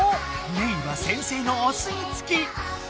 メイは先生のおすみつき！